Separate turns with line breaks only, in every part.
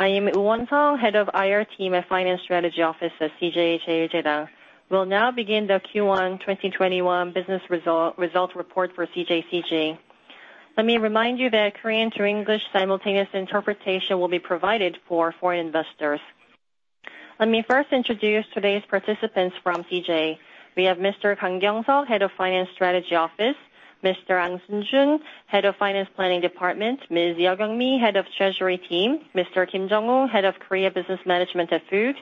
I am Woo Won-sang, Head of IR Team at Finance Strategy Office at CJ Cheiljedang. We'll now begin the Q1 2021 business results report for CJ Cheiljedang. Let me remind you that Korean to English simultaneous interpretation will be provided for foreign investors. Let me first introduce today's participants from CJ. We have Mr. Kang Kyung-suk, Head of Finance Strategy Office. Mr. Ang Soon June, Head of Finance Planning Department. Ms. Yeo Kyung Mi, Head of Treasury Team. Mr. Kim Jung-ho, Head of Korea Business Management at Food.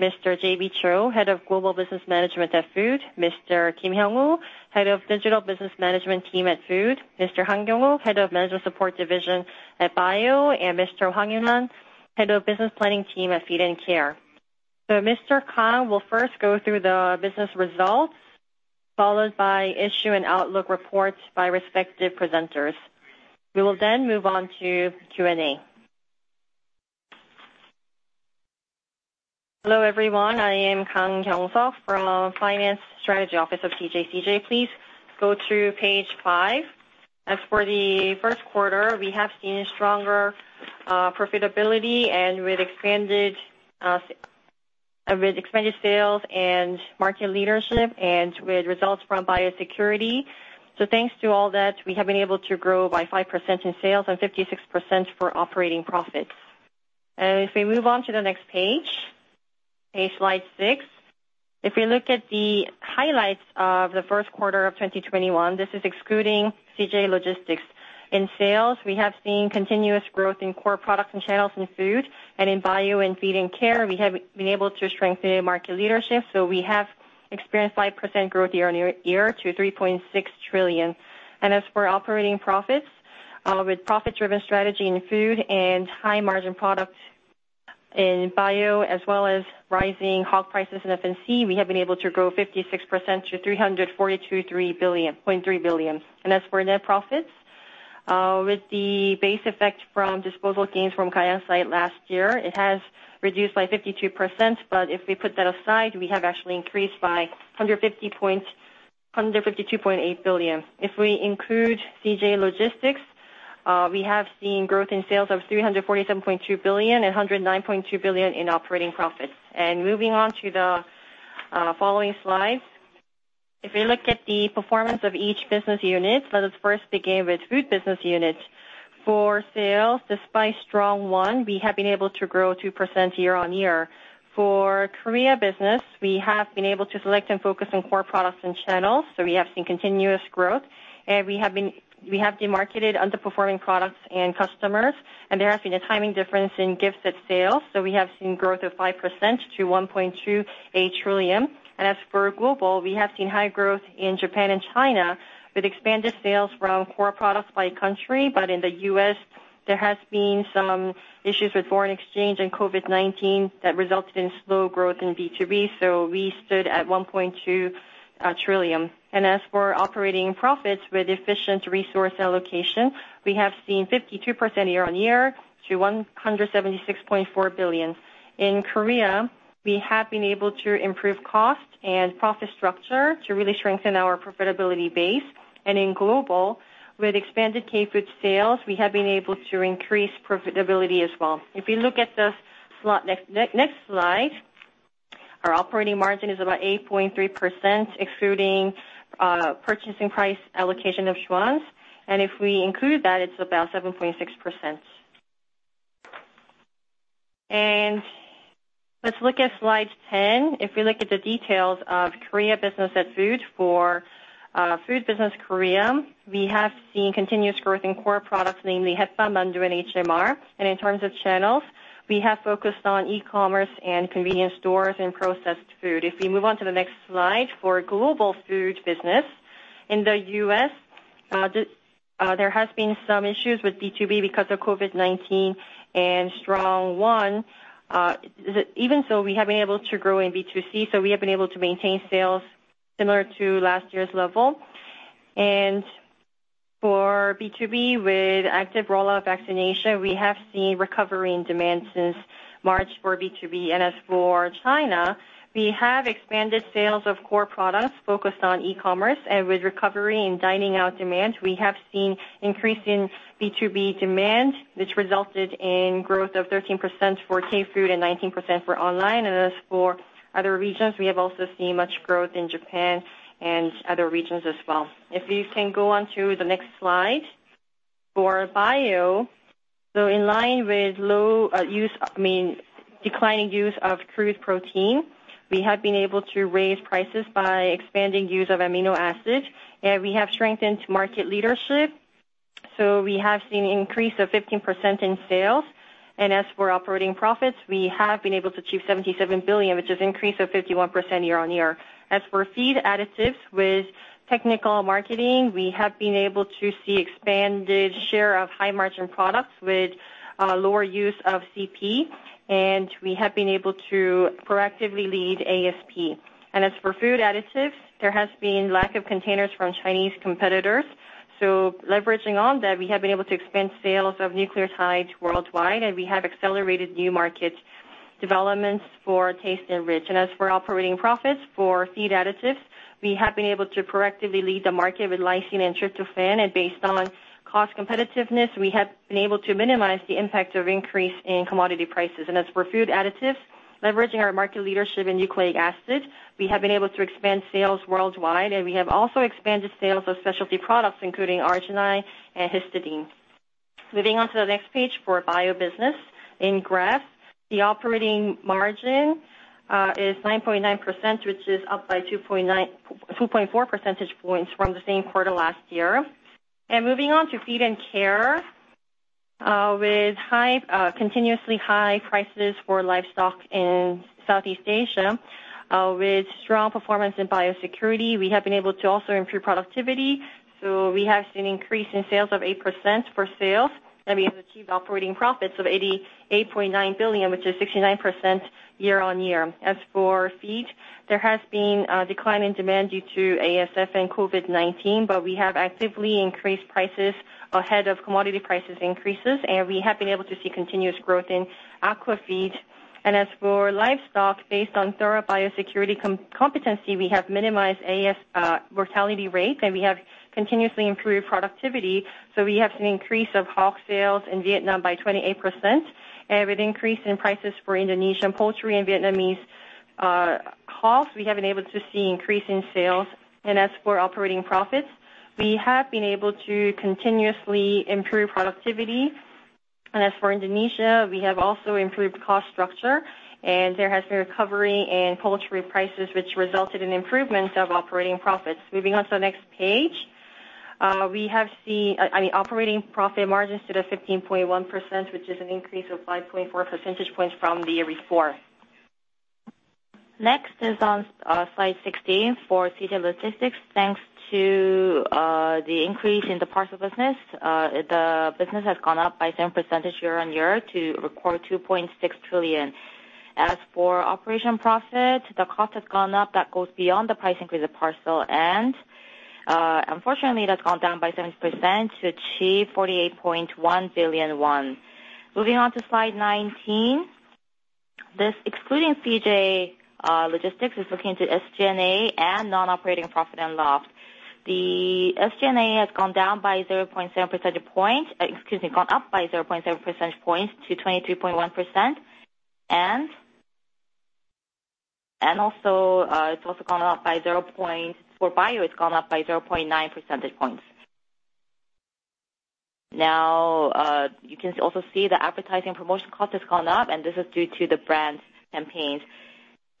Mr. JB Cho, Head of Global Business Management at Food. Mr. Kim Hyung-woo, Head of Digital Business Management Team at Food. Mr. Han Kyung-ho, Head of Management Support Division at Bio. Mr. Hwang Yun-han, Head of Business Planning Team at Feed & Care. Mr. Kang will first go through the business results, followed by issue and outlook reports by respective presenters. We will then move on to Q&A.
Hello, everyone. I am Kang Kyung-suk from Finance Strategy Office of CJCJ. Please go to page five. As for the first quarter, we have seen stronger profitability and with expanded sales and market leadership, and with results from biosecurity. Thanks to all that, we have been able to grow by 5% in sales and 56% for operating profits. If we move on to the next page slide six. If we look at the highlights of the first quarter of 2021, this is excluding CJ Logistics. In sales, we have seen continuous growth in core products and channels in food, and in bio and feed and care, we have been able to strengthen market leadership. We have experienced 5% growth year-on-year to 3.6 trillion. As for operating profits, with profit-driven strategy in food and high margin products in bio, as well as rising hog prices in F&C, we have been able to grow 56% to 342.3 billion. As for net profits, with the base effect from disposal gains from Gayang site last year, it has reduced by 52%, but if we put that aside, we have actually increased by 152.8 billion. If we include CJ Logistics, we have seen growth in sales of 347.2 billion and 109.2 billion in operating profits. Moving on to the following slides. If we look at the performance of each business unit, let us first begin with food business unit. For sales, despite strong Won, we have been able to grow 2% year-on-year. For Korea business, we have been able to select and focus on core products and channels, so we have seen continuous growth, and we have de-marketed underperforming products and customers, and there has been a timing difference in gift set sales. We have seen growth of 5% to 1.28 trillion. As for global, we have seen high growth in Japan and China with expanded sales around core products by country. In the U.S., there has been some issues with foreign exchange and COVID-19 that resulted in slow growth in B2B, so we stood at 1.2 trillion. As for operating profits with efficient resource allocation, we have seen 52% year-on-year to 176.4 billion. In Korea, we have been able to improve cost and profit structure to really strengthen our profitability base. In global, with expanded K-Food sales, we have been able to increase profitability as well. If you look at the next slide, our operating margin is about 8.3%, excluding purchase price allocation of Schwan's. If we include that, it's about 7.6%. Let's look at slide 10. If we look at the details of Korea business at Food, for Food Business Korea, we have seen continuous growth in core products, namely Hetbahn, Mandu, and HMR. In terms of channels, we have focused on e-commerce and convenience stores and processed food. If we move on to the next slide, for global food business, in the U.S., there has been some issues with B2B because of COVID-19 and strong Won. Even so, we have been able to grow in B2C, so we have been able to maintain sales similar to last year's level. For B2B, with active rollout vaccination, we have seen recovery in demand since March for B2B. As for China, we have expanded sales of core products focused on e-commerce. With recovery in dining out demand, we have seen increase in B2B demand, which resulted in growth of 13% for K-Food and 19% for online. As for other regions, we have also seen much growth in Japan and other regions as well. If you can go on to the next slide. For bio, in line with declining use of crude protein, we have been able to raise prices by expanding use of amino acids, and we have strengthened market leadership. We have seen increase of 15% in sales. As for operating profits, we have been able to achieve KRW 77 billion, which is increase of 51% year-on-year. For feed additives, with technical marketing, we have been able to see expanded share of high margin products with lower use of CP. We have been able to proactively lead ASP. For food additives, there has been lack of containers from Chinese competitors. Leveraging on that, we have been able to expand sales of nucleotides worldwide. We have accelerated new markets developments for TasteNrich. For operating profits for feed additives, we have been able to proactively lead the market with lysine and tryptophan. Based on cost competitiveness, we have been able to minimize the impact of increase in commodity prices. For food additives, leveraging our market leadership in nucleic acid, we have been able to expand sales worldwide. We have also expanded sales of specialty products including arginine and histidine. Moving on to the next page, for bio business. In graft, the operating margin is 9.9%, which is up by 2.4 percentage points from the same quarter last year. Moving on to feed and care, with continuously high prices for livestock in Southeast Asia. With strong performance in biosecurity, we have been able to also improve productivity. We have seen increase in sales of 8% for sales, and we have achieved operating profits of 88.9 billion, which is 69% year on year. As for feed, there has been a decline in demand due to ASF and COVID-19, but we have actively increased prices ahead of commodity prices increases, and we have been able to see continuous growth in aquafeed. As for livestock, based on thorough biosecurity competency, we have minimized ASF mortality rate, and we have continuously improved productivity. We have seen increase of hog sales in Vietnam by 28%. With increase in prices for Indonesian poultry and Vietnamese hogs, we have been able to see increase in sales. As for operating profits, we have been able to continuously improve productivity. As for Indonesia, we have also improved cost structure. There has been recovery in poultry prices, which resulted in improvements of operating profits. Moving on to the next page. Operating profit margins stood at 15.1%, which is an increase of 5.4 percentage points from the year before. Next is on slide 16 for CJ Logistics. Thanks to the increase in the parcel business, the business has gone up by 7% year-on-year to record 2.6 trillion. As for operating profit, the cost has gone up. That goes beyond the price increase of parcel, unfortunately, that's gone down by 7% to achieve 48.1 billion won. Moving on to slide 19. This, excluding CJ Logistics, is looking to SG&A and non-operating profit and loss. The SG&A has gone up by 0.7 percentage points to 23.1%. Also, for bio, it's gone up by 0.9 percentage points. Now, you can also see the advertising promotion cost has gone up, this is due to the brand campaigns.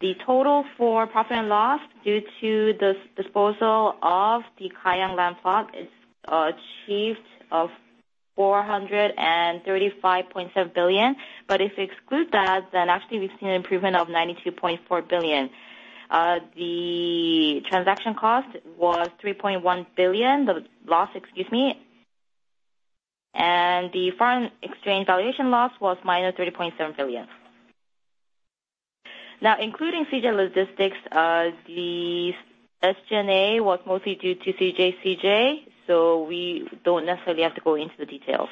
The total for profit and loss due to the disposal of the Gayang land plot is achieved of 435.7 billion. If you exclude that, then actually we've seen an improvement of 92.4 billion. The transaction cost was 3.1 billion. The loss, excuse me. The foreign exchange valuation loss was -30.7 billion. Including CJ Logistics, the SG&A was mostly due to CJ, we don't necessarily have to go into the details.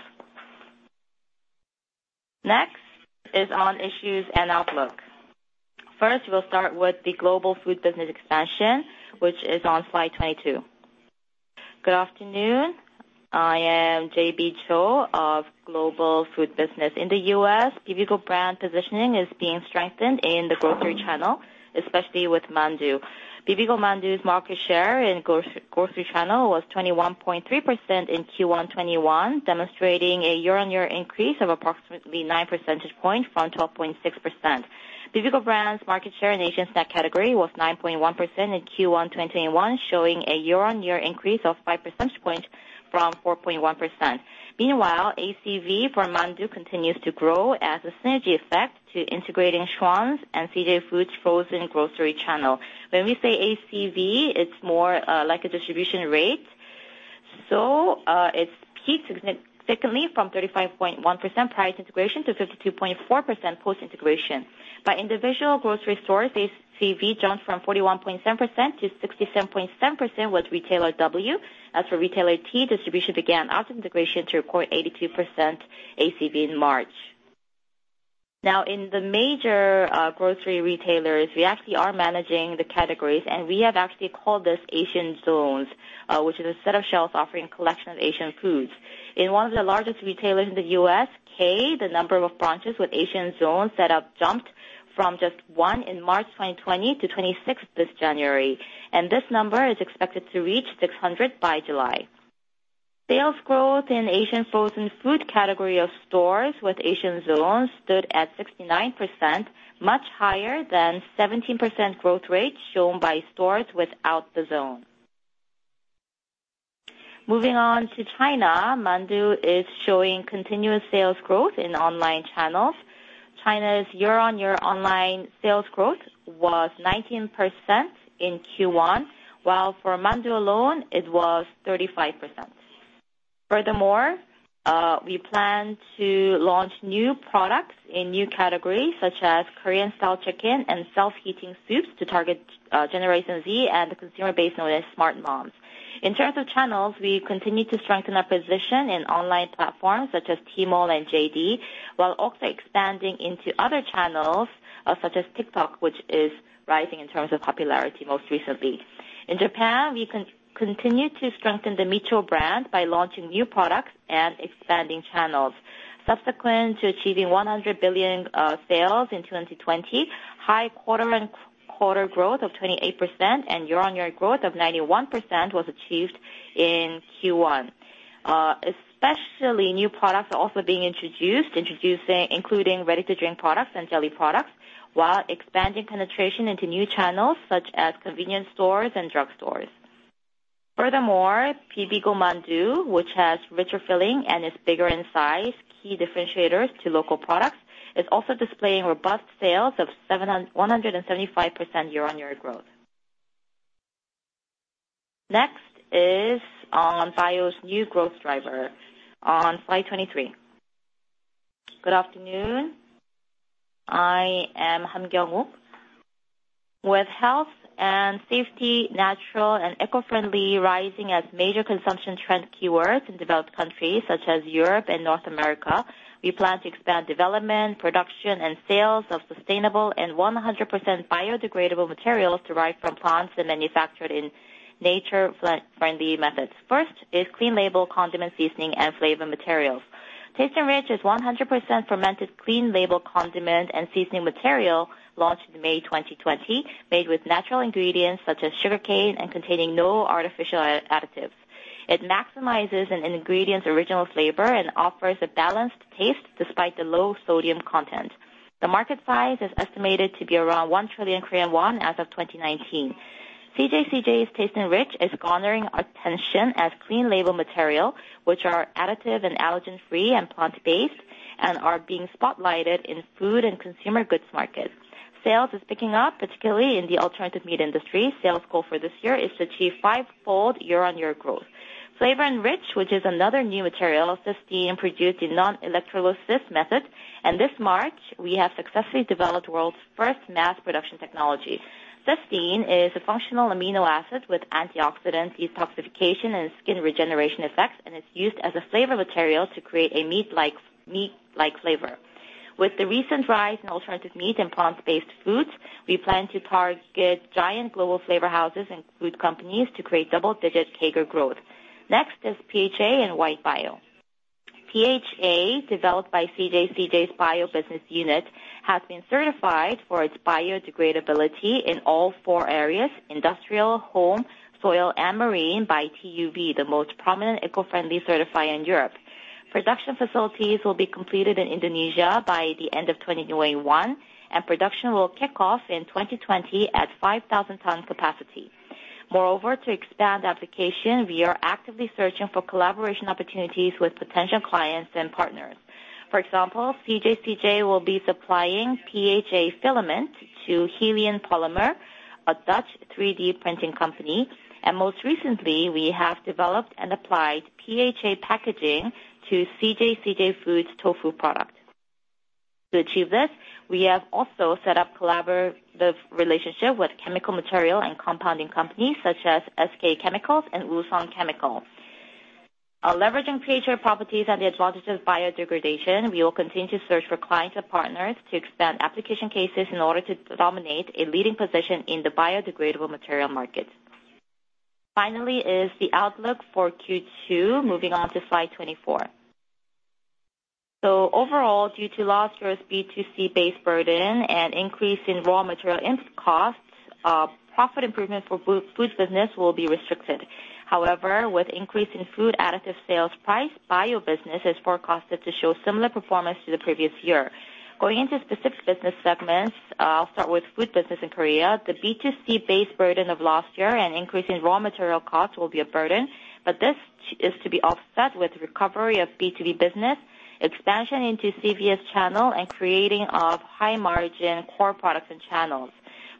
Next is on issues and outlook. First, we'll start with the global food business expansion, which is on slide 22.
Good afternoon. I am JB Cho of Global Food Business. In the U.S., bibigo brand positioning is being strengthened in the grocery channel, especially with mandu. Bibigo Mandu's market share in grocery channel was 21.3% in Q1 2021, demonstrating a year-on-year increase of approximately nine percentage point from 12.6%. bibigo brands market share in Asian snack category was 9.1% in Q1 2021, showing a year-on-year increase of 5 percentage points from 4.1%. Meanwhile, ACV for Mandu continues to grow as a synergy effect to integrating Schwan's and CJ Foods' frozen grocery channel. When we say ACV, it's more like a distribution rate. It peaked significantly from 35.1% price integration to 52.4% post-integration. By individual grocery stores, ACV jumped from 41.7% to 67.7% with Walmart. As for Target, distribution began after integration to record 82% ACV in March. In the major grocery retailers, we actually are managing the categories, and we have actually called this Asian zones, which is a set of shelves offering collection of Asian foods. In one of the largest retailers in the U.S., Kroger, the number of branches with Asian zones set up jumped from just one in March 2020 to 2026 this January, and this number is expected to reach 600 by July. Sales growth in Asian frozen food category of stores with Asian zones stood at 69%, much higher than 17% growth rate shown by stores without the zone. Moving on to China, Mandu is showing continuous sales growth in online channels. China's year-on-year online sales growth was 19% in Q1, while for Mandu alone it was 35%. Furthermore, we plan to launch new products in new categories such as Korean style chicken and self-heating soups to target Generation Z and the consumer base known as smart moms. In terms of channels, we continue to strengthen our position in online platforms such as Tmall and JD, while also expanding into other channels, such as TikTok, which is rising in terms of popularity most recently. In Japan, we continue to strengthen the Micho brand by launching new products and expanding channels. Subsequent to achieving 100 billion sales in 2020, high quarter-on-quarter growth of 28% and year-on-year growth of 91% was achieved in Q1. New products are also being introduced, including ready-to-drink products and jelly products, while expanding penetration into new channels such as convenience stores and drug stores. furthermore, Bibigo Mandu, which has richer filling and is bigger in size, key differentiators to local products, is also displaying robust sales of 175% year-on-year growth. Next is on CJ BIO's new growth driver on slide 23.
Good afternoon. I am Han Kyung-ho. With health and safety, natural and eco-friendly rising as major consumption trend keywords in developed countries such as Europe and North America, we plan to expand development, production, and sales of sustainable and 100% biodegradable materials derived from plants and manufactured in nature-friendly methods. First is clean label condiment seasoning and flavor materials. TasteNrich is 100% fermented clean label condiment and seasoning material launched in May 2020, made with natural ingredients such as sugarcane and containing no artificial additives. It maximizes an ingredient's original flavor and offers a balanced taste despite the low sodium content. The market size is estimated to be around 1 trillion Korean won as of 2019. CJ Cheiljedang's TasteNrich is garnering attention as clean label material, which are additive and allergen-free and plant-based and are being spotlighted in food and consumer goods markets. Sales is picking up, particularly in the alternative meat industry. Sales goal for this year is to achieve five-fold year-on-year growth. FlavorNrich, which is another new material, cysteine produced in non-electrolysis method. This March, we have successfully developed world's first mass production technology. Cysteine is a functional amino acid with antioxidants, detoxification, and skin regeneration effects, and it's used as a flavor material to create a meat-like flavor. With the recent rise in alternative meat and plant-based foods, we plan to target giant global flavor houses and food companies to create double-digit CAGR growth. Next is PHA and white bio. PHA, developed by CJCJ BIO, has been certified for its biodegradability in all four areas: industrial, home, soil, and marine by TÜV, the most prominent eco-friendly certifier in Europe. Production facilities will be completed in Indonesia by the end of 2021, and production will kick off in 2020 at 5,000 ton capacity. Moreover, to expand application, we are actively searching for collaboration opportunities with potential clients and partners. For example, CJCJ will be supplying PHA filament to Helian Polymers, a Dutch 3D printing company, and most recently, we have developed and applied PHA packaging to CJ Foods' tofu product. To achieve this, we have also set up collaborative relationship with chemical material and compounding companies such as SK chemicals and Woosung Chemical. Leveraging PHA properties and the advantages of biodegradation, we will continue to search for clients and partners to expand application cases in order to dominate a leading position in the biodegradable material market. Finally is the outlook for Q2, moving on to slide 24. Overall, due to last year's B2C base burden and increase in raw material costs, profit improvement for foods business will be restricted. However, with increase in food additive sales price, bio business is forecasted to show similar performance to the previous year. Going into specific business segments, I'll start with food business in Korea. The B2C base burden of last year and increase in raw material cost will be a burden, but this is to be offset with recovery of B2B business, expansion into CVS channel, and creating of high-margin core products and channels.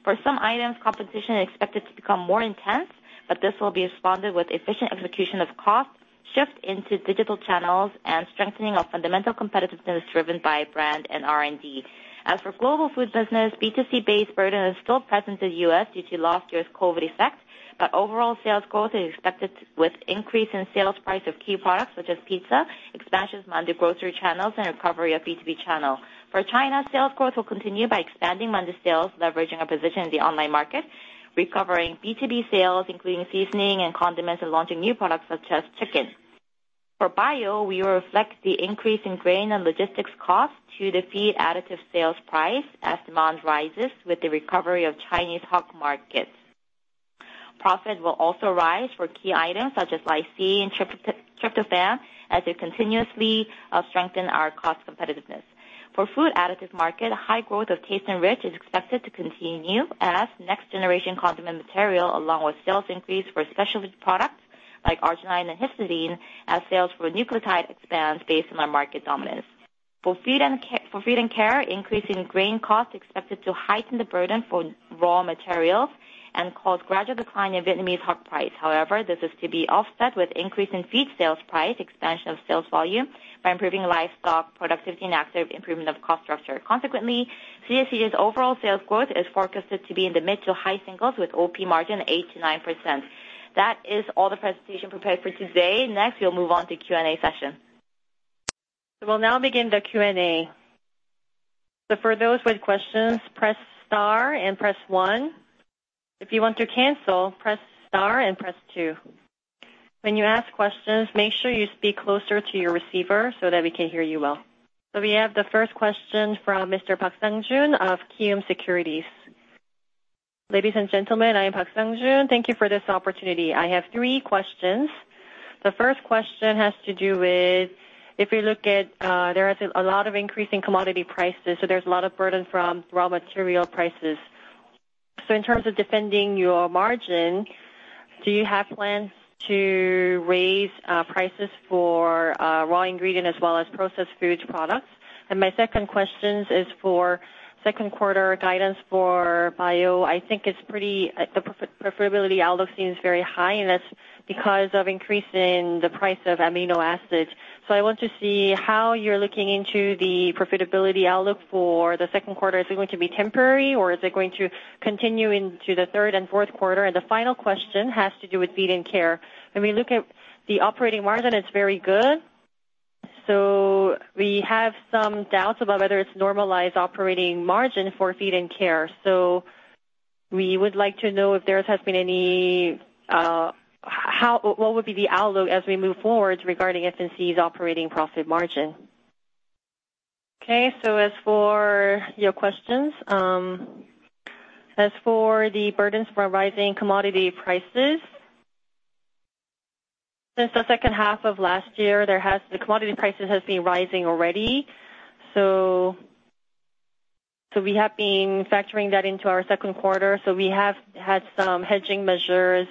For some items, competition is expected to become more intense, but this will be responded with efficient execution of cost, shift into digital channels, and strengthening of fundamental competitiveness driven by brand and R&D. As for global food business, B2C base burden is still present in the US due to last year's COVID effect, but overall sales growth is expected with increase in sales price of key products such as pizza, expansion of Mandu grocery channels, and recovery of B2B channel. For China, sales growth will continue by expanding Mandu sales, leveraging our position in the online market, recovering B2B sales, including seasoning and condiments, and launching new products such as chicken. For bio, we will reflect the increase in grain and logistics cost to the feed additive sales price as demand rises with the recovery of Chinese hog markets. Profit will also rise for key items such as lysine and tryptophan, as we continuously strengthen our cost competitiveness. For food additive market, high growth of TasteNrich is expected to continue as next generation condiment material along with sales increase for specialty products like arginine and histidine as sales for nucleotide expands based on our market dominance. For feed and care, increase in grain cost expected to heighten the burden for raw materials and cause gradual decline in Vietnamese hog price. This is to be offset with increase in feed sales price, expansion of sales volume by improving livestock productivity, and active improvement of cost structure. CJ's overall sales growth is forecasted to be in the mid to high singles with OP margin 8%-9%. That is all the presentation prepared for today. We'll move on to Q&A session.
We'll now begin the Q&A. For those with questions, press star and press one. If you want to cancel, press star and press two. When you ask questions, make sure you speak closer to your receiver so that we can hear you well. We have the first question from Mr. Park Sang-jun of Kiwoom Securities.
Ladies and gentlemen, I am Park Sang-jun. Thank you for this opportunity. I have three questions. The first question has to do with, if we look at, there is a lot of increase in commodity prices, so there's a lot of burden from raw material prices. In terms of defending your margin, do you have plans to raise prices for raw ingredient as well as processed food products? My second question is for second quarter guidance for bio. I think the profitability outlook seems very high, and that's because of increase in the price of amino acids. I want to see how you're looking into the profitability outlook for the second quarter. Is it going to be temporary, or is it going to continue into the third and fourth quarter? The final question has to do with CJ Feed&Care. When we look at the operating margin, it's very good. We have some doubts about whether it's normalized operating margin for CJ Feed&Care. We would like to know what would be the outlook as we move forward regarding F&C's operating profit margin. As for your questions. As for the burdens from rising commodity prices, since the second half of last year, the commodity prices has been rising already. We have been factoring that into our second quarter.
We have had some hedging measures,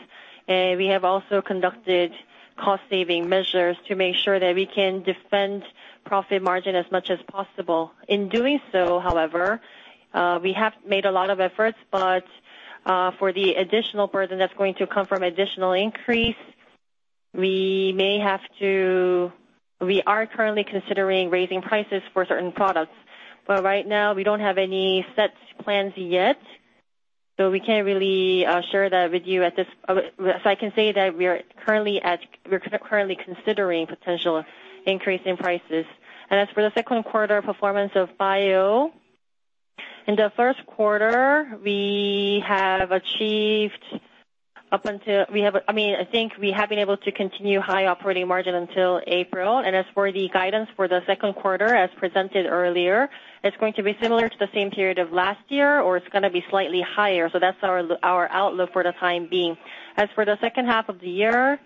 and we have also conducted cost saving measures to make sure that we can defend profit margin as much as possible. In doing so, however, we have made a lot of efforts, but for the additional burden that's going to come from additional increase, we are currently considering raising prices for certain products. Right now, we don't have any set plans yet, so we can't really share that with you at this. I can say that we're currently considering potential increase in prices. As for the second quarter performance of bio, in the first quarter, I think we have been able to continue high operating margin until April. As for the guidance for the second quarter, as presented earlier, it's going to be similar to the same period of last year, or it's going to be slightly higher. That's our outlook for the time being. As for the second half of the year,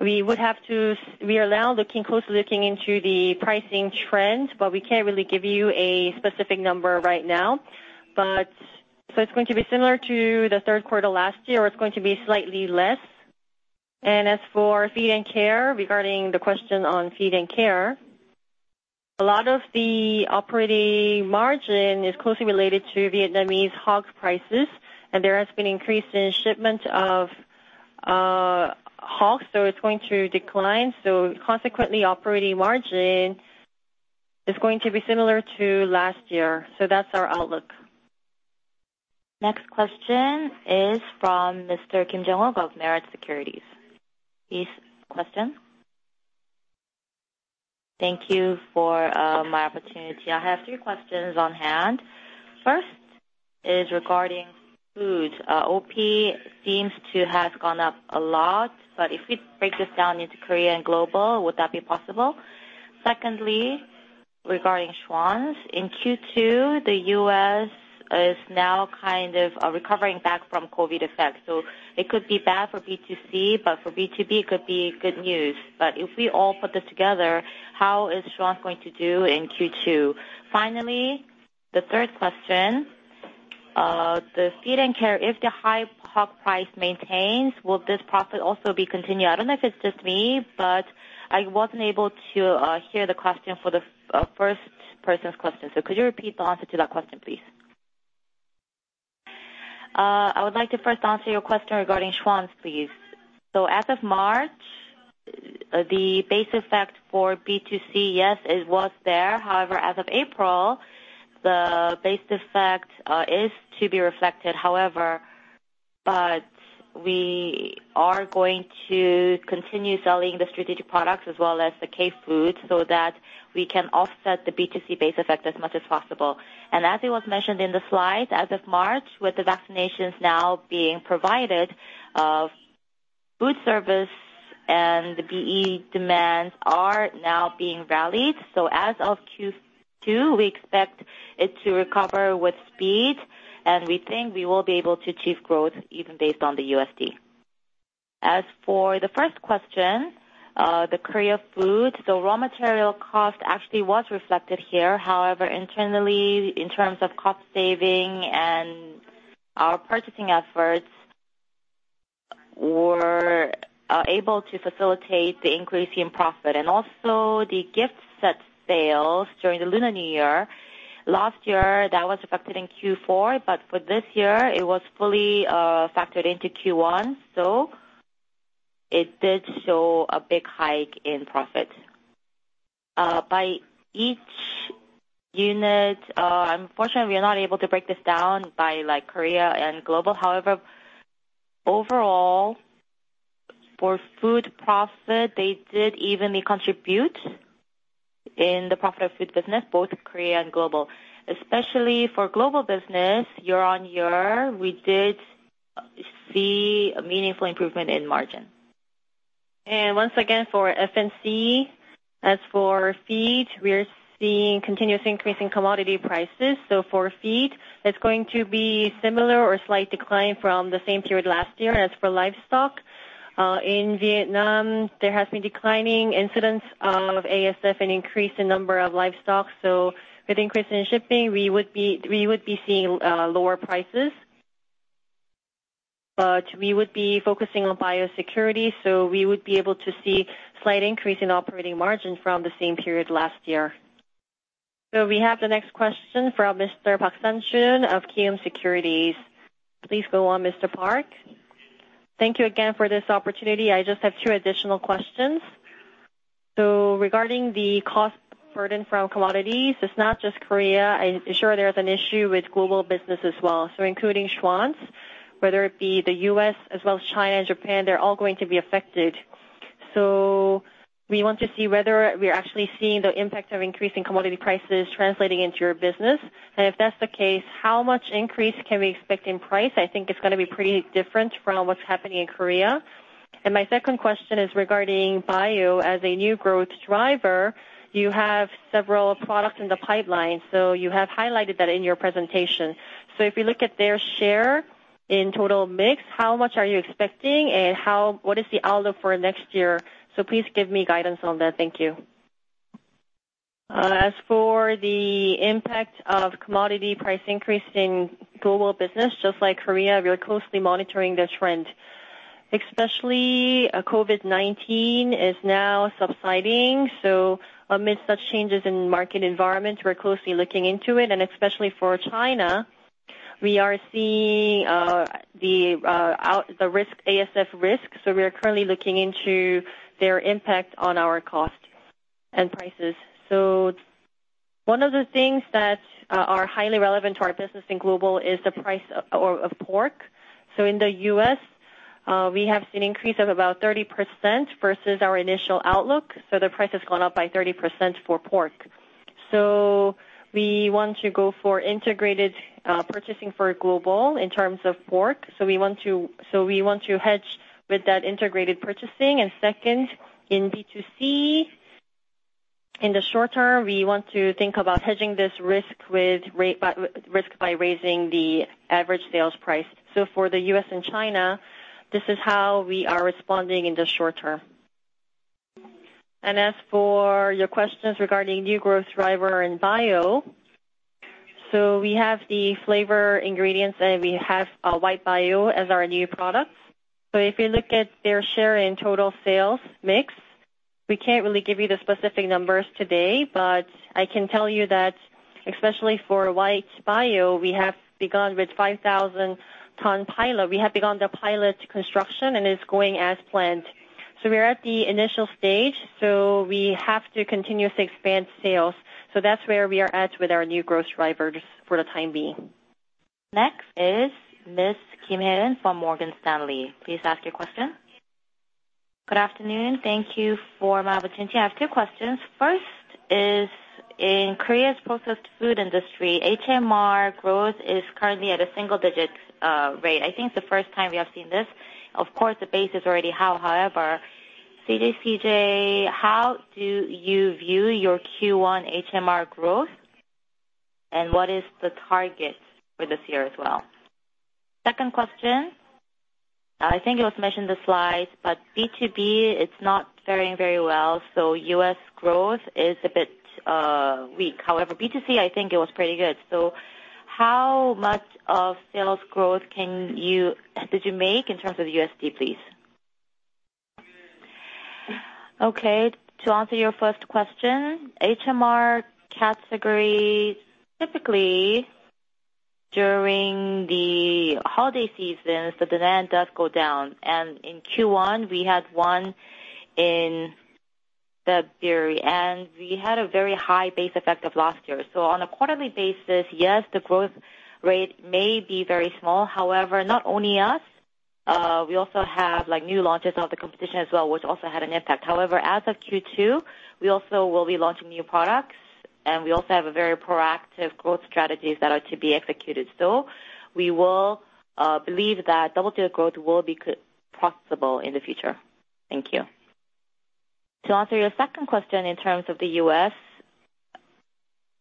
we are now looking closely into the pricing trend. We can't really give you a specific number right now. It's going to be similar to the third quarter last year, or it's going to be slightly less. As for feed and care, regarding the question on feed and care, a lot of the operating margin is closely related to Vietnamese hog prices, and there has been increase in shipment of hogs. It's going to decline. Consequently, operating margin is going to be similar to last year. That's our outlook.
Next question is from Mr. Kim Jongwook of Meritz Securities. Please, question.
Thank you for my opportunity. I have three questions on hand. First is regarding foods. OP seems to have gone up a lot, if we break this down into Korea and global, would that be possible? Secondly, regarding Schwan's. In Q2, the U.S. is now kind of recovering back from COVID effects, it could be bad for B2C, for B2B could be good news. If we all put this together, how is Schwan's going to do in Q2? Finally, the third question. The feed and care, if the high hog price maintains, will this profit also be continued? I don't know if it's just me, I wasn't able to hear the question for the first person's question. Could you repeat the answer to that question, please?
I would like to first answer your question regarding Schwan's, please. As of March, the base effect for B2C, yes, it was there. However, as of April, the base effect is to be reflected. However, we are going to continue selling the strategic products as well as the K-Food so that we can offset the B2C base effect as much as possible. As it was mentioned in the slide, as of March, with the vaccinations now being provided, food service and the BE demands are now being valued. As of Q2, we expect it to recover with speed, and we think we will be able to achieve growth even based on the USD. As for the first question, the Korea food, the raw material cost actually was reflected here. However, internally, in terms of cost saving and our purchasing efforts were able to facilitate the increase in profit. The gift set sales during the Lunar New Year, last year, that was reflected in Q4. For this year, it was fully factored into Q1, so it did show a big hike in profit. By each unit, unfortunately, we are not able to break this down by Korea and global. However, overall, for food profit, they did evenly contribute in the profit of food business, both Korea and global. Especially for global business, year-on-year, we did see a meaningful improvement in margin. Once again, for FNC, as for feed, we are seeing continuous increase in commodity prices. For feed, it's going to be similar or slight decline from the same period last year. As for livestock, in Vietnam, there has been declining incidents of ASF and increase in number of livestock. With increase in shipping, we would be seeing lower prices. But we would be focusing on biosecurity, so we would be able to see slight increase in operating margin from the same period last year.
We have the next question from Mr. Park Sang-jun of Kiwoom Securities. Please go on, Mr. Park.
Thank you again for this opportunity. I just have two additional questions. Regarding the cost burden from commodities, it's not just Korea. I'm sure there's an issue with global business as well, so including Schwan's, whether it be the U.S. as well as China and Japan, they're all going to be affected. We want to see whether we are actually seeing the impact of increasing commodity prices translating into your business. If that's the case, how much increase can we expect in price? I think it's going to be pretty different from what's happening in Korea. My second question is regarding bio as a new growth driver. You have several products in the pipeline, you have highlighted that in your presentation. If you look at their share in total mix, how much are you expecting, and what is the outlook for next year? Please give me guidance on that. Thank you.
As for the impact of commodity price increase in global business, just like Korea, we are closely monitoring the trend. Especially COVID-19 is now subsiding, amidst such changes in market environment, we're closely looking into it. Especially for China, we are seeing the ASF risk. We are currently looking into their impact on our cost and prices. One of the things that are highly relevant to our business in global is the price of pork. In the U.S., we have seen increase of about 30% versus our initial outlook. The price has gone up by 30% for pork. We want to go for integrated purchasing for global in terms of pork. We want to hedge with that integrated purchasing. Second, in B2C, in the short term, we want to think about hedging this risk by raising the average sales price. For the U.S. and China, this is how we are responding in the short term. As for your questions regarding new growth driver and bio, so we have the flavor ingredients, and we have white bio as our new product. If you look at their share in total sales mix, we can't really give you the specific numbers today, but I can tell you that especially for white bio, we have begun with 5,000-ton pilot. We have begun the pilot construction, and it's going as planned. We are at the initial stage, so we have to continuously expand sales. That's where we are at with our new growth drivers for the time being.
Next is Miss Kim Helen from Morgan Stanley. Please ask your question.
Good afternoon. Thank you for my opportunity. I have two questions. First is, in Korea's processed food industry, HMR growth is currently at a single-digit rate. I think it's the first time we have seen this. Of course, the base is already how. CJ, how do you view your Q1 HMR growth, and what is the target for this year as well? Second question, I think it was mentioned in the slides, B2B, it's not fairing very well, U.S. growth is a bit weak. B2C, I think it was pretty good. How much of sales growth did you make in terms of USD, please?
Okay, to answer your first question, HMR category, typically during the holiday seasons, the demand does go down. In Q1, we had one in February, and we had a very high base effect of last year. On a quarterly basis, yes, the growth rate may be very small. However, not only us, we also have new launches of the competition as well, which also had an impact. However, as of Q2, we also will be launching new products, and we also have a very proactive growth strategies that are to be executed. Still, we will believe that double-digit growth will be possible in the future.
Thank you.
To answer your second question in terms of the U.S.,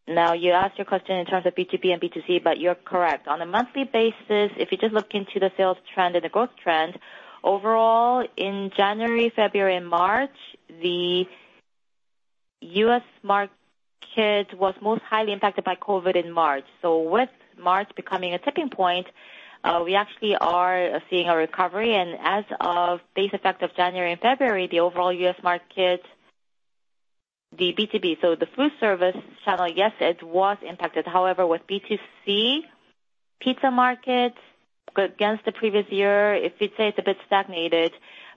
now you asked your question in terms of B2B and B2C, but you're correct. On a monthly basis, if you just look into the sales trend and the growth trend, overall in January, February, and March, the U.S. market was most highly impacted by COVID in March. With March becoming a tipping point, we actually are seeing a recovery, and as of base effect of January and February, the overall U.S. market, the B2B, so the food service channel, yes, it was impacted. However, with B2C pizza market against the previous year, if you'd say it's a bit stagnated,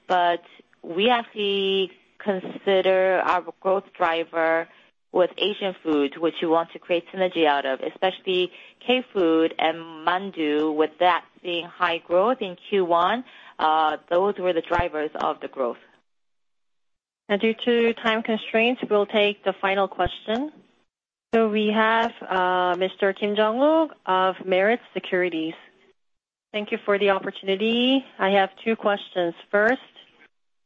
but we actually consider our growth driver with Asian food, which we want to create synergy out of, especially K-Food and Mandu, with that seeing high growth in Q1. Those were the drivers of the growth. Now, due to time constraints, we'll take the final question.
We have Mr. Kim Jongwook of Meritz Securities.
Thank you for the opportunity. I have two questions. First,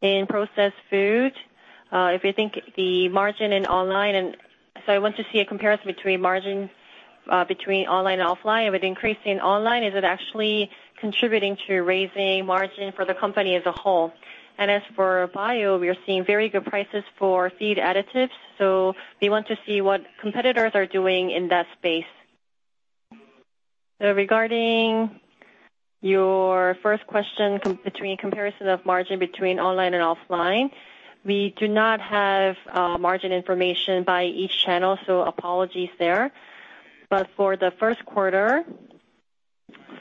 in processed food, if you think the margin in online. I want to see a comparison between margin between online and offline. With increase in online, is it actually contributing to raising margin for the company as a whole? As for BIO, we are seeing very good prices for feed additives, so we want to see what competitors are doing in that space. Regarding your first question between comparison of margin between online and offline, we do not have margin information by each channel, so apologies there.
For the first quarter,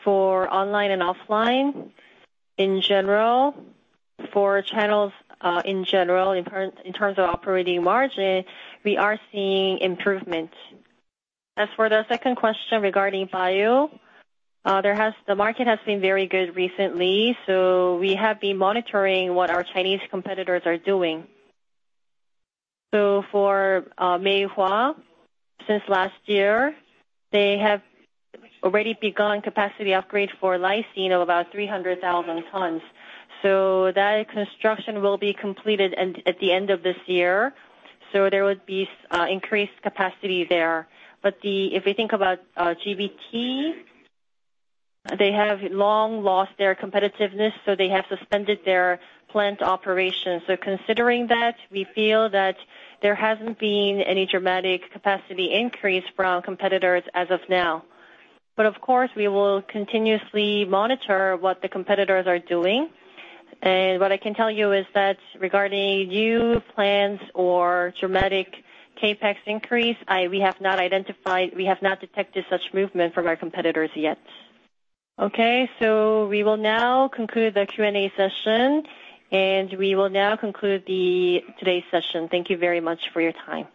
for online and offline, in general, for channels in general, in terms of operating margin, we are seeing improvement. As for the second question regarding BIO, the market has been very good recently, so we have been monitoring what our Chinese competitors are doing. For Meihua, since last year, they have already begun capacity upgrade for lysine of about 300,000 tons. That construction will be completed at the end of this year, so there would be increased capacity there. If we think about GBT, they have long lost their competitiveness, so they have suspended their plant operations. Considering that, we feel that there hasn't been any dramatic capacity increase from competitors as of now. Of course, we will continuously monitor what the competitors are doing. What I can tell you is that regarding new plans or dramatic CapEx increase, we have not detected such movement from our competitors yet.
We will now conclude the Q&A session, and we will now conclude today's session. Thank you very much for your time.